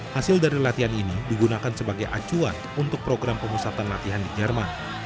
hasil dari latihan ini digunakan sebagai acuan untuk program pemusatan latihan di jerman